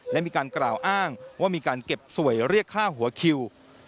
และมีการกล่าวอ้างว่ามีการเก็บสวยเรียกค่าหัวคิว